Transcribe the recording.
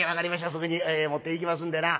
すぐに持っていきますんでな」。